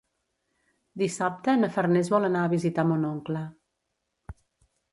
Dissabte na Farners vol anar a visitar mon oncle.